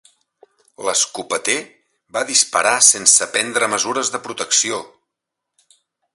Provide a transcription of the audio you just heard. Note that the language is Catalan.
L'escopeter va disparar sense prendre mesures de protecció.